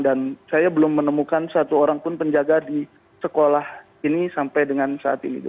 dan saya belum menemukan satu orang pun penjaga di sekolah ini sampai dengan saat ini